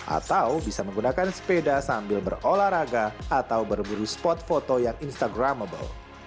atau bisa menggunakan sepeda sambil berolahraga atau berburu spot foto yang instagramable